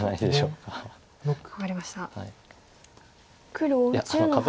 黒１０の八。